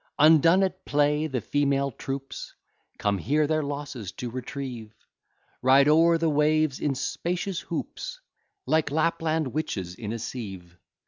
Undone at play, the female troops Come here their losses to retrieve; Ride o'er the waves in spacious hoops, Like Lapland witches in a sieve.